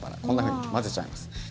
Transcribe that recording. こんなふうに交ぜちゃいます。